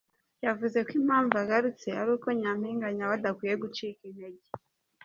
Yavuze ko impamvu agarutse ari uko Nyampinga nyawe adakwiye gucika intege.